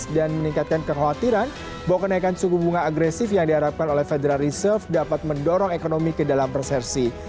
ini juga menunjukkan bahwa bank sentral akan membuat kebanyakan kekuatiran bahwa kenaikan suku bunga agresif yang diharapkan oleh federal reserve dapat mendorong ekonomi ke dalam persersi